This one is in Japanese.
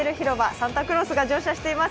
サンタクロースが乗車しています。